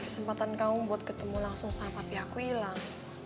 ada sempatan kamu buat ketemu langsung sama papi aku hilang